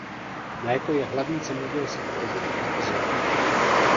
Mléko je hlavní zemědělský produkt na Azorách.